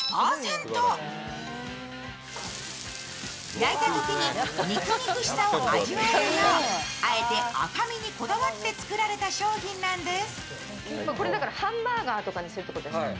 焼いたときに肉肉しさを味わえるよう、あえて赤身にこだわって作られた商品なんです。